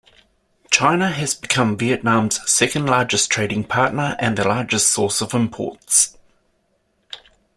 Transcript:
China has become Vietnam's second-largest trading partner and the largest source of imports.